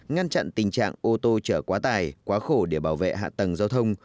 ngăn chặn tình trạng ô tô chở quá tải quá khổ để bảo vệ hạ tầng giao thông